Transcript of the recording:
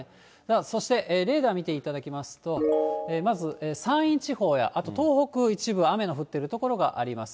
そしてレーダー見ていただきますと、まず、山陰地方や、あと東北一部、雨の降っている所があります。